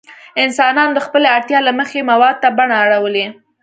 انسانانو د خپلې اړتیا له مخې موادو ته بڼه اړولې.